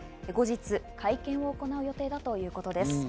後日、会見を行う予定だということです。